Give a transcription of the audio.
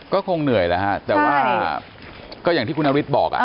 ก็คงเหนื่อยแล้วฮะแต่ว่าก็อย่างที่คุณนฤทธิ์บอกอ่ะ